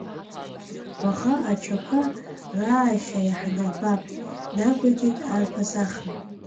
Уаха ачақәа раашьа иаҳнарбап, нақәиҵеит арԥыс Ахра.